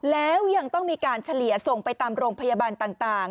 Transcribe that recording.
แล้วยังต้องมีการเฉลี่ยส่งไปตามโรงพยาบาลต่าง